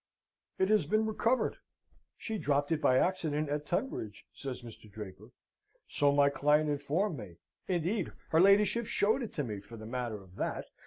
"It has been recovered. She dropped it by an accident at Tunbridge," says Mr. Draper, "so my client informed me; indeed her ladyship showed it me, for the matter of that.